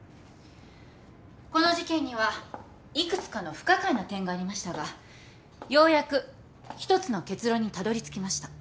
この事件には幾つかの不可解な点がありましたがようやく１つの結論にたどりつきました。